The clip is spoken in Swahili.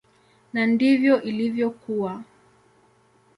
Na ndivyo ilivyokuwa.